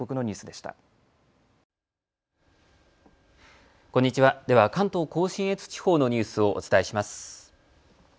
では関東甲信越地方のニュースをお伝えします。